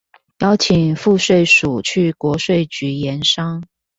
邀請賦稅署去國稅局研商